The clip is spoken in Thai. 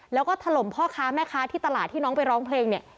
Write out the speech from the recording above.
แล้วก็ถล่มพ่อค้าแม่ค้าที่ตลาดที่น้องไปร้องเพลงเนี่ย